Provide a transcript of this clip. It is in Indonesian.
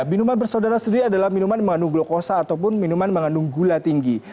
minuman bersaudara sendiri adalah minuman mengandung glukosa ataupun minuman mengandung gula tinggi